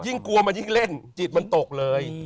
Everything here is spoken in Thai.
กลัวมันยิ่งเล่นจิตมันตกเลย